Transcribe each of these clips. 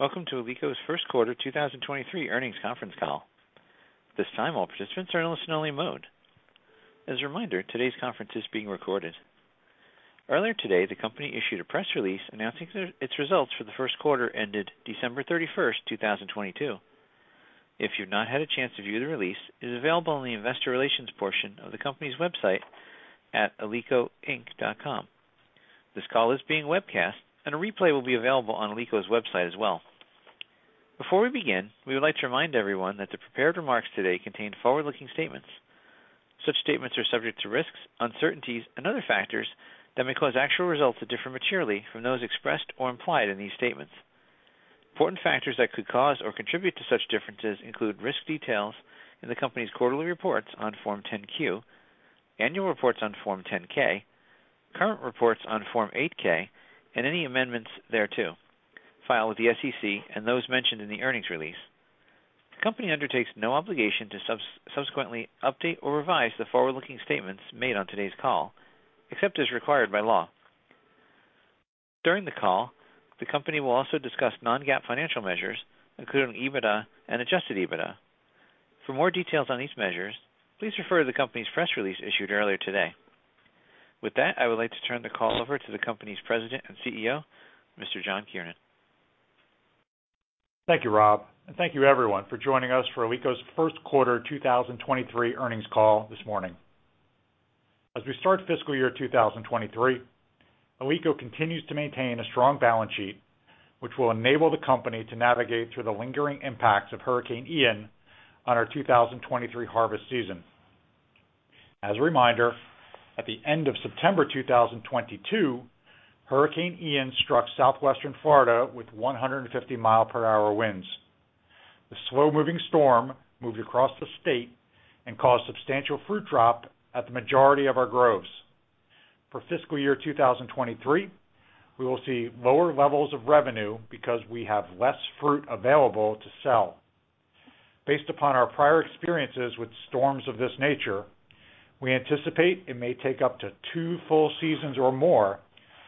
Welcome to Alico's first quarter 2023 earnings conference call. At this time, all participants are in listen-only mode. As a reminder, today's conference is being recorded. Earlier today, the company issued a press release announcing its results for the first quarter ended December 31st, 2022. If you've not had a chance to view the release, it is available on the investor relations portion of the company's website at alicoinc.com. This call is being webcast. A replay will be available on Alico's website as well. Before we begin, we would like to remind everyone that the prepared remarks today contain forward-looking statements. Such statements are subject to risks, uncertainties and other factors that may cause actual results to differ materially from those expressed or implied in these statements. Important factors that could cause or contribute to such differences include risk details in the company's quarterly reports on Form 10-Q, annual reports on Form 10-K, current reports on Form 8-K, and any amendments thereto filed with the SEC and those mentioned in the earnings release. The company undertakes no obligation to subsequently update or revise the forward-looking statements made on today's call, except as required by law. During the call, the company will also discuss non-GAAP financial measures, including EBITDA and adjusted EBITDA. For more details on these measures, please refer to the company's press release issued earlier today. With that, I would like to turn the call over to the company's President and CEO, Mr. John Kiernan. Thank you, Rob. Thank you everyone for joining us for Alico's first quarter 2023 earnings call this morning. As we start fiscal year 2023, Alico continues to maintain a strong balance sheet, which will enable the company to navigate through the lingering impacts of Hurricane Ian on our 2023 harvest season. As a reminder, at the end of September 2022, Hurricane Ian struck southwestern Florida with 150 mph winds. The slow-moving storm moved across the state and caused substantial fruit drop at the majority of our groves. For fiscal year 2023, we will see lower levels of revenue because we have less fruit available to sell. Based upon our prior experiences with storms of this nature, we anticipate it may take up to two full seasons or more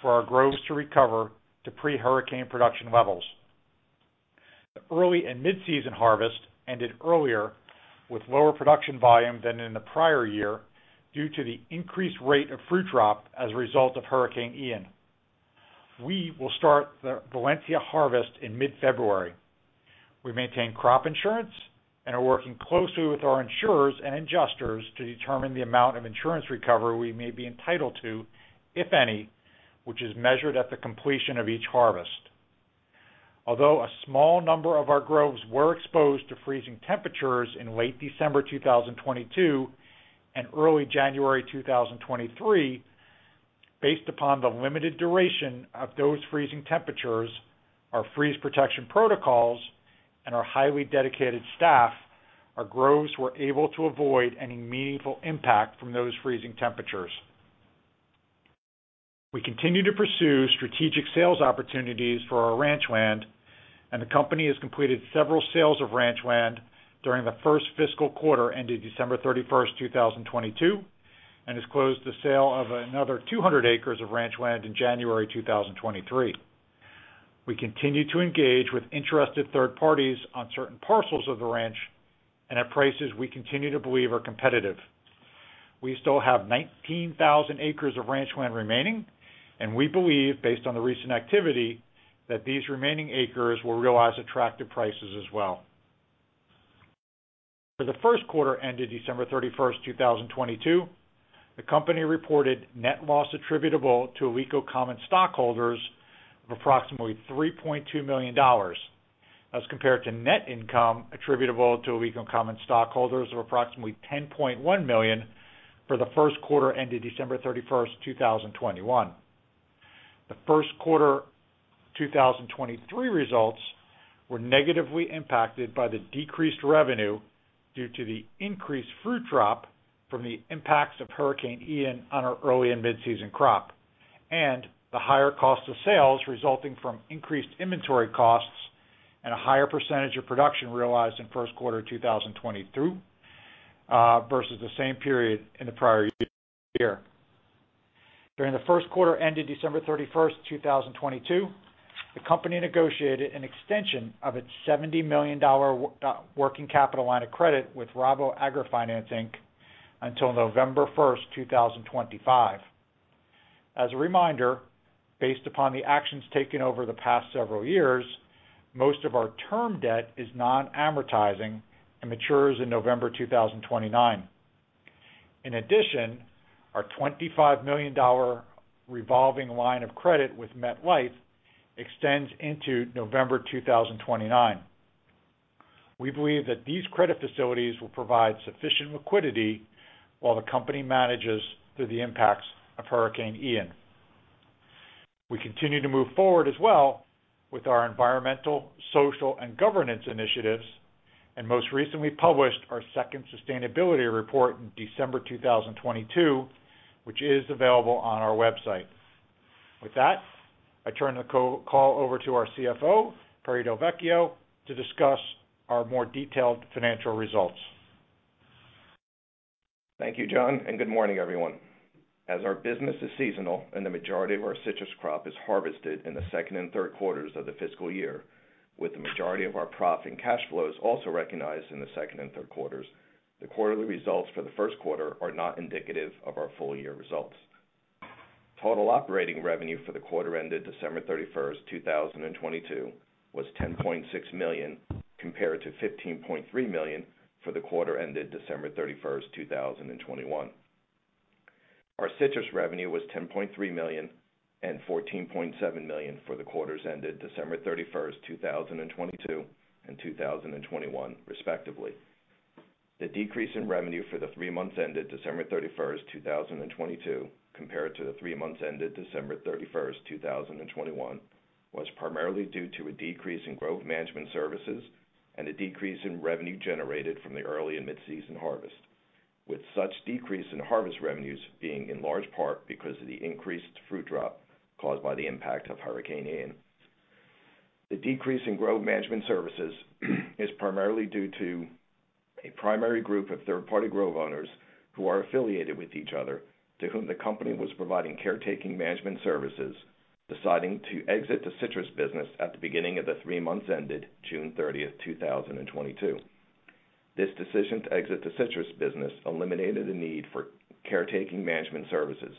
for our groves to recover to pre-hurricane production levels. The early and mid-season harvest ended earlier with lower production volume than in the prior year due to the increased rate of fruit drop as a result of Hurricane Ian. We will start the Valencia harvest in mid-February. We maintain crop insurance and are working closely with our insurers and adjusters to determine the amount of insurance recovery we may be entitled to, if any, which is measured at the completion of each harvest. Although a small number of our groves were exposed to freezing temperatures in late December 2022 and early January 2023, based upon the limited duration of those freezing temperatures, our freeze protection protocols and our highly dedicated staff, our groves were able to avoid any meaningful impact from those freezing temperatures. The company has completed several sales of ranch land during the first fiscal quarter ended December 31st, 2022, and has closed the sale of another 200 acres of ranch land in January 2023. We continue to engage with interested third parties on certain parcels of the ranch and at prices we continue to believe are competitive. We still have 19,000 acres of ranch land remaining, and we believe based on the recent activity that these remaining acres will realize attractive prices as well. For the first quarter ended December 31st, 2022, the company reported net loss attributable to Alico common stockholders of approximately $3.2 million as compared to net income attributable to Alico common stockholders of approximately $10.1 million for the first quarter ended December 31st, 2021. The first quarter 2023 results were negatively impacted by the decreased revenue due to the increased fruit drop from the impacts of Hurricane Ian on our early and mid-season crop, and the higher cost of sales resulting from increased inventory costs and a higher percentage of production realized in first quarter 2022 versus the same period in the prior year. During the first quarter ended December 31st, 2022, the company negotiated an extension of its $70 million working capital line of credit with Rabo AgriFinance Inc until November 1, 2025. As a reminder, based upon the actions taken over the past several years, most of our term debt is non-amortizing and matures in November 2029. In addition, our $25 million revolving line of credit with MetLife extends into November 2029. We believe that these credit facilities will provide sufficient liquidity while the company manages through the impacts of Hurricane Ian. We continue to move forward as well with our environmental, social, and governance initiatives, and most recently published our second sustainability report in December 2022, which is available on our website. With that, I turn the call over to our CFO, Perry Del Vecchio, to discuss our more detailed financial results. Thank you, John, and good morning, everyone. As our business is seasonal and the majority of our citrus crop is harvested in the second and third quarters of the fiscal year, with the majority of our profit and cash flows also recognized in the second and third quarters, the quarterly results for the first quarter are not indicative of our full year results. Total operating revenue for the quarter ended December 31st, 2022, was $10.6 million, compared to $15.3 million for the quarter ended December 31st, 2021. Our citrus revenue was $10.3 million and $14.7 million for the quarters ended December 31st, 2022, and 2021 respectively. The decrease in revenue for the three months ended December 31st, 2022 compared to the three months ended December 31st, 2021, was primarily due to a decrease in growth management services and a decrease in revenue generated from the early and mid-season harvest, with such decrease in harvest revenues being in large part because of the increased fruit drop caused by the impact of Hurricane Ian. The decrease in growth management services is primarily due to a primary group of third-party grove owners who are affiliated with each other, to whom the company was providing caretaking management services, deciding to exit the citrus business at the beginning of the three months ended June 30th, 2022. This decision to exit the citrus business eliminated the need for caretaking management services.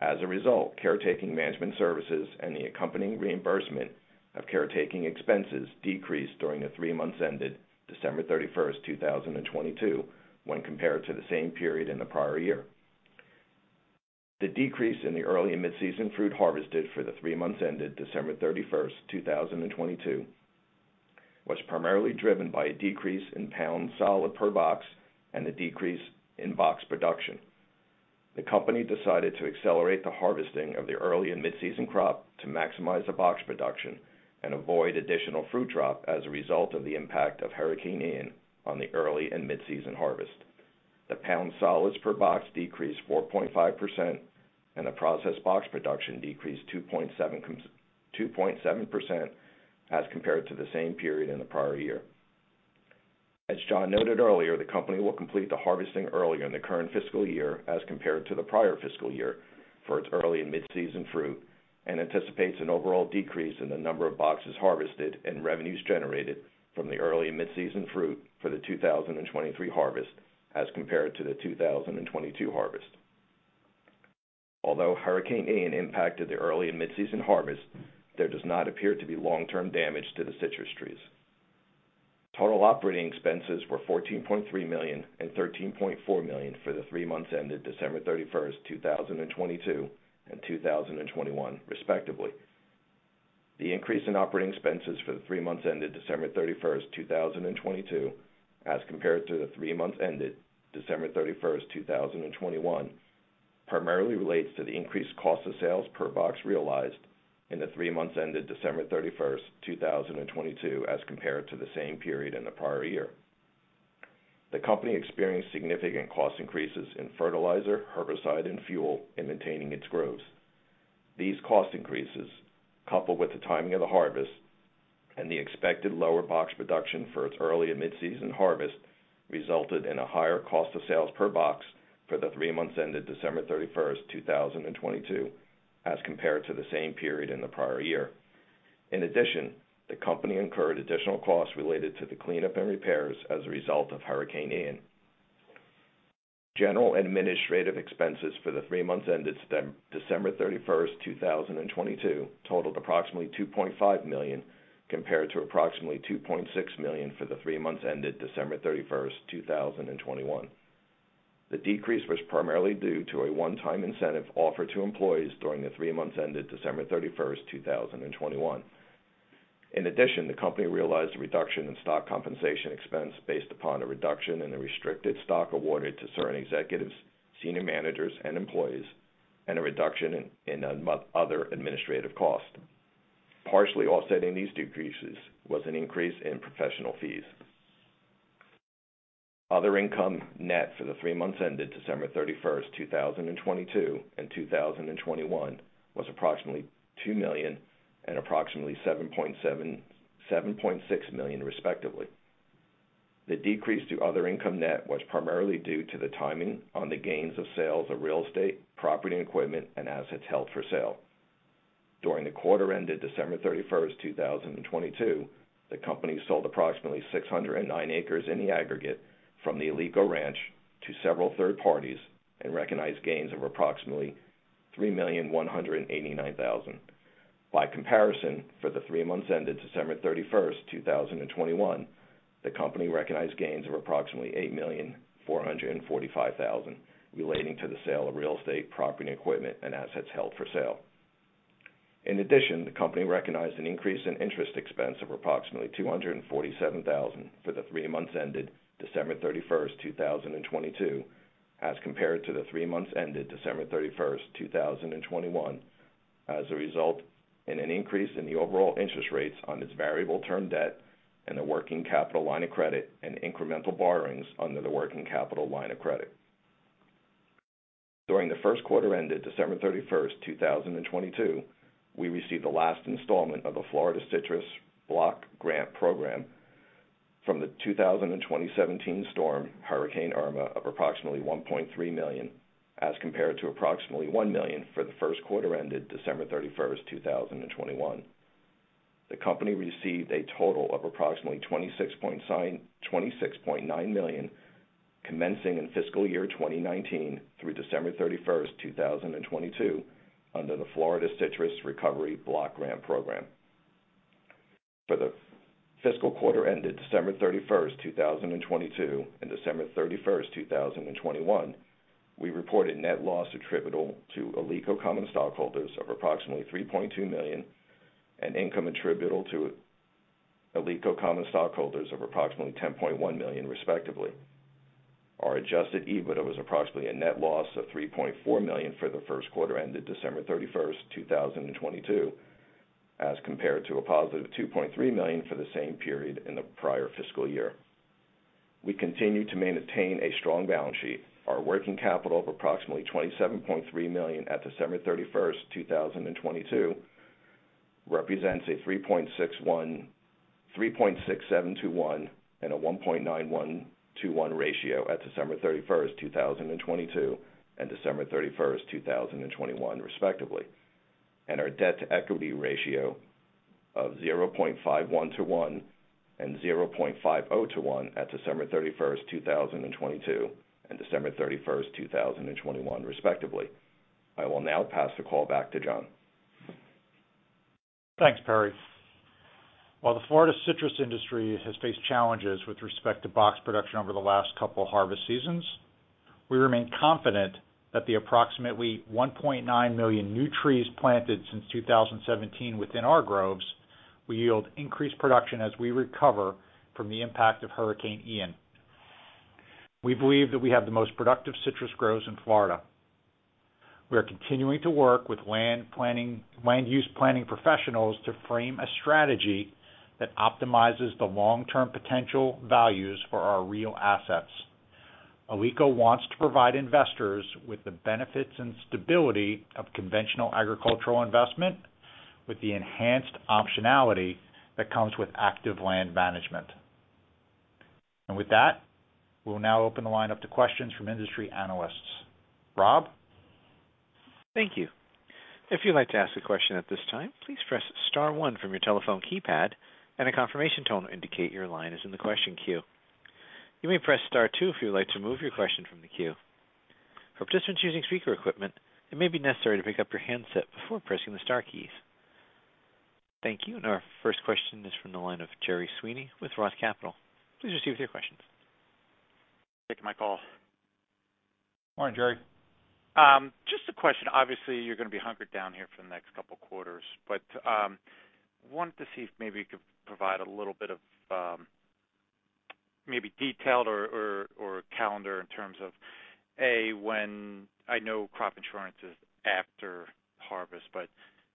As a result, caretaking management services and the accompanying reimbursement of caretaking expenses decreased during the three months ended December 31st, 2022, when compared to the same period in the prior year. The decrease in the early and mid-season fruit harvested for the three months ended December 31st, 2022, was primarily driven by a decrease in pounds solid per box and a decrease in box production. The company decided to accelerate the harvesting of the early and mid-season crop to maximize the box production and avoid additional fruit drop as a result of the impact of Hurricane Ian on the early and mid-season harvest. The pound solids per box decreased 4.5% and the processed box production decreased 2.7% as compared to the same period in the prior year. As John noted earlier, the company will complete the harvesting earlier in the current fiscal year as compared to the prior fiscal year for its early and mid-season fruit, and anticipates an overall decrease in the number of boxes harvested and revenues generated from the early and mid-season fruit for the 2023 harvest as compared to the 2022 harvest. Although Hurricane Ian impacted the early and mid-season harvest, there does not appear to be long-term damage to the citrus trees. Total operating expenses were $14.3 million and $13.4 million for the three months ended December 31st, 2022 and 2021 respectively. The increase in operating expenses for the three months ended December 31st, 2022, as compared to the three months ended December 31st, 2021, primarily relates to the increased cost of sales per box realized in the three months ended December 31st, 2022, as compared to the same period in the prior year. The company experienced significant cost increases in fertilizer, herbicide and fuel in maintaining its groves. These cost increases, coupled with the timing of the harvest and the expected lower box production for its early and mid-season harvest, resulted in a higher cost of sales per box for the three months ended December 31st, 2022, as compared to the same period in the prior year. In addition, the company incurred additional costs related to the cleanup and repairs as a result of Hurricane Ian. General administrative expenses for the three months ended December 31st, 2022 totaled approximately $2.5 million, compared to approximately $2.6 million for the three months ended December 31st, 2021. The decrease was primarily due to a one-time incentive offered to employees during the three months ended December 31st, 2021. In addition, the company realized a reduction in stock compensation expense based upon a reduction in the restricted stock awarded to certain executives, senior managers and employees, and a reduction in other administrative costs. Partially offsetting these decreases was an increase in professional fees. Other income net for the three months ended December 31st, 2022 and 2021 was approximately $2 million and approximately $7.6 million, respectively. The decrease to other income net was primarily due to the timing on the gains of sales of real estate, property and equipment, and assets held for sale. During the quarter ended December 31st, 2022, the company sold approximately 609 acres in the aggregate from the Alico Ranch to several third parties and recognized gains of approximately $3,189,000. By comparison, for the three months ended December 31st, 2021, the company recognized gains of approximately $8,445,000 relating to the sale of real estate, property and equipment, and assets held for sale. The company recognized an increase in interest expense of approximately $247,000 for the three months ended December 31st, 2022, as compared to the three months ended December 31st, 2021, as a result in an increase in the overall interest rates on its variable term debt and the working capital line of credit and incremental borrowings under the working capital line of credit. During the first quarter ended December 31st, 2022, we received the last installment of the Florida Citrus Recovery Block Grant Program from the 2017 storm Hurricane Irma of approximately $1.3 million, as compared to approximately $1 million for the first quarter ended December 31st, 2021. The company received a total of approximately $26.9 million commencing in fiscal year 2019 through December 31st, 2022 under the Florida Citrus Recovery Block Grant Program. For the fiscal quarter ended December 31st, 2022 and December 31st, 2021, we reported net loss attributable to Alico common stockholders of approximately $3.2 million and income attributable to Alico common stockholders of approximately $10.1 million respectively. Our Adjusted EBITDA was approximately a net loss of $3.4 million for the first quarter ended December 31st, 2022, as compared to a positive $2.3 million for the same period in the prior fiscal year. We continue to maintain a strong balance sheet. Our working capital of approximately $27.3 million at December 31st, 2022 represents a 3.61, 3.67 to 1 and a 1.91 to 1 ratio at December 31st, 2022 and December 31st, 2021 respectively. Our debt-to-equity ratio of 0.51 to 1 and 0.50 to 1 at December 31, 2022 and December 31, 2021 respectively. I will now pass the call back to John. Thanks, Perry. While the Florida citrus industry has faced challenges with respect to box production over the last couple harvest seasons, we remain confident that the approximately 1.9 million new trees planted since 2017 within our groves will yield increased production as we recover from the impact of Hurricane Ian. We believe that we have the most productive citrus groves in Florida. We are continuing to work with land planning, land use planning professionals to frame a strategy that optimizes the long-term potential values for our real assets. Alico wants to provide investors with the benefits and stability of conventional agricultural investment with the enhanced optionality that comes with active land management. With that, we'll now open the line up to questions from industry analysts. Rob? Thank you. If you'd like to ask a question at this time, please press Star One from your telephone keypad and a confirmation tone will indicate your line is in the question queue. You may press Star Two if you would like to remove your question from the queue. For participants using speaker equipment, it may be necessary to pick up your handset before pressing the Star keys. Thank you. Our first question is from the line of Gerry Sweeney with Roth Capital. Please proceed with your questions. Thank you. My call. Morning, Gerry. Just a question. Obviously, you're going to be hunkered down here for the next couple quarters, wanted to see if maybe you could provide a little bit of, maybe detailed or, or calendar in terms of A. When I know crop insurance is after harvest, but,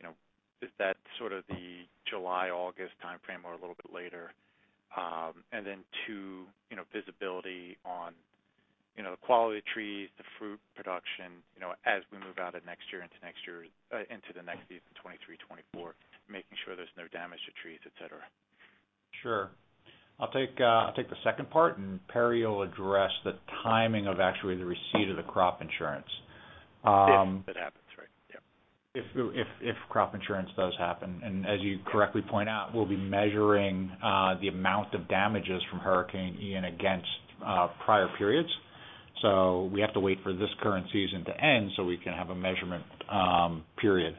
you know, is that sort of the July, August timeframe or a little bit later? two, you know, visibility on, you know, the quality of trees, the fruit production, you know, as we move out of next year into next year, into the next season, 2023, 2024, making sure there's no damage to trees, et cetera. Sure. I'll take, I'll take the second part and Perry will address the timing of actually the receipt of the crop insurance. If that happens, right? Yeah. If crop insurance does happen, and as you correctly point out, we'll be measuring the amount of damages from Hurricane Ian against prior periods. We have to wait for this current season to end so we can have a measurement period.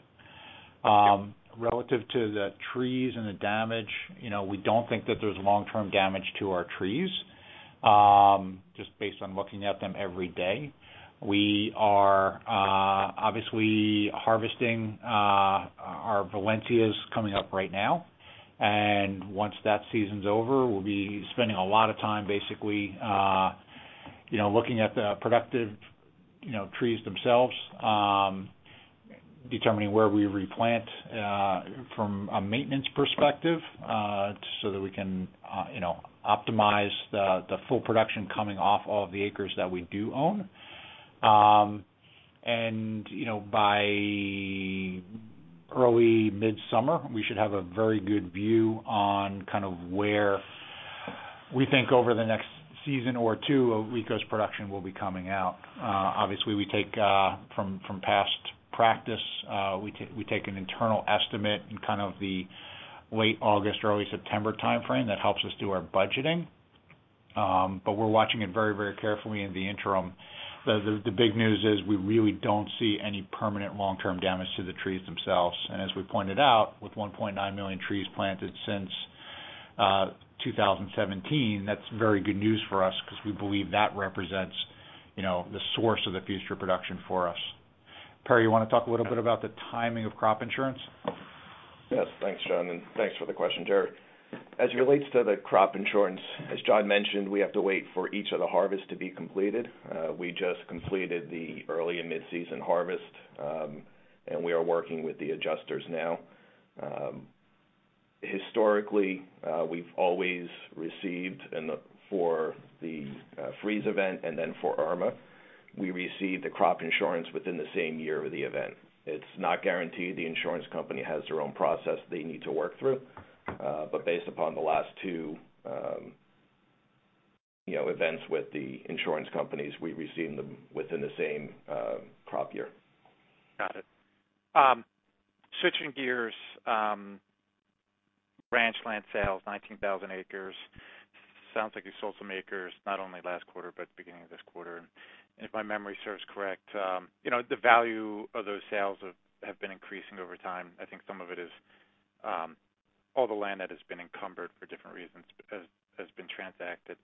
Relative to the trees and the damage, you know, we don't think that there's long-term damage to our trees, just based on looking at them every day. We are obviously harvesting our Valencia coming up right now. Once that season's over, we'll be spending a lot of time basically, you know, looking at the productive, you know, trees themselves, determining where we replant from a maintenance perspective, so that we can, you know, optimize the full production coming off all of the acres that we do own. you know, by early midsummer, we should have a very good view on kind of where we think over the next season or two Alico's production will be coming out. obviously we take, from past practice, an internal estimate in kind of the late August, early September timeframe that helps us do our budgeting. we're watching it very, very carefully in the interim. The big news is we really don't see any permanent long-term damage to the trees themselves. As we pointed out, with 1.9 million trees planted since 2017, that's very good news for us because we believe that represents, you know, the source of the future production for us. Perry, you want to talk a little about the timing of crop insurance? Yes. Thanks, John, and thanks for the question, Gerry. As it relates to the crop insurance, as John mentioned, we have to wait for each of the harvests to be completed. We just completed the early and mid-season harvest, and we are working with the adjusters now. Historically, we've always received for the freeze event and then for Irma, we received the crop insurance within the same year of the event. It's not guaranteed. The insurance company has their own process they need to work through. Based upon the last two, you know, events with the insurance companies, we've received them within the same crop year. Got it. switching gears, ranch land sales, 19,000 acres. Sounds like you sold some acres not only last quarter but beginning of this quarter. If my memory serves correct, you know, the value of those sales have been increasing over time. I think some of it is, all the land that has been encumbered for different reasons has been transacted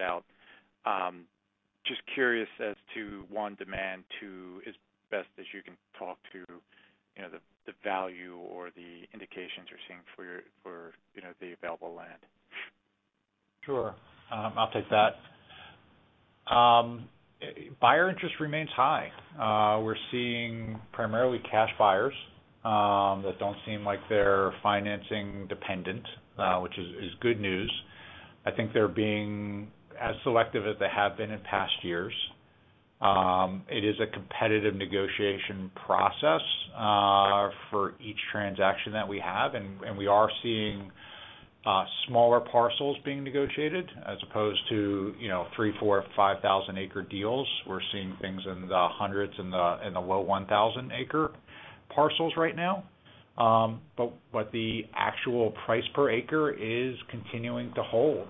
out. Just curious as to, one, demand. Two, as best as you can talk to, you know, the value or the indications you're seeing for, you know, the available land. Sure. I'll take that. Buyer interest remains high. We're seeing primarily cash buyers that don't seem like they're financing dependent, which is good news. I think they're being as selective as they have been in past years. It is a competitive negotiation process for each transaction that we have, and we are seeing smaller parcels being negotiated as opposed to, you know, 3,000, 4,000, 5,000 acre deals. We're seeing things in the hundreds, in the low 1,000 acre parcels right now. But the actual price per acre is continuing to hold,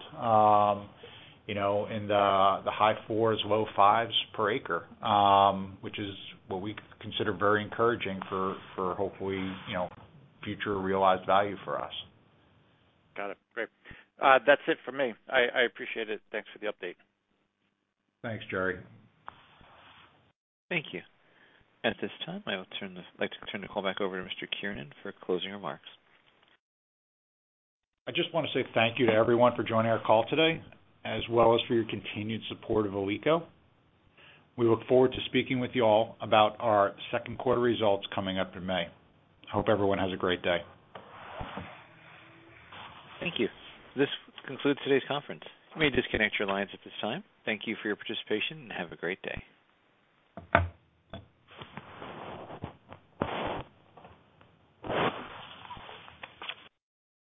you know, in the high $4,000s, low $5,000s per acre, which is what we consider very encouraging for hopefully, you know, future realized value for us. Got it. Great. That's it for me. I appreciate it. Thanks for the update. Thanks, Gerry. Thank you. At this time, I'd like to turn the call back over to Mr. Kiernan for closing remarks. I just wanna say thank you to everyone for joining our call today, as well as for your continued support of Alico. We look forward to speaking with you all about our second quarter results coming up in May. I hope everyone has a great day. Thank you. This concludes today's conference. You may disconnect your lines at this time. Thank you for your participation, and have a great day.